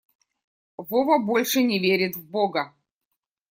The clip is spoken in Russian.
Вова больше не верит в бога.